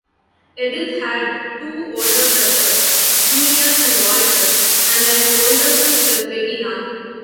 Edith had two older brothers, Julius and Walter, and an older sister, Bettina.